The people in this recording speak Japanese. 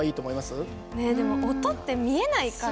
でも音って見えないからね。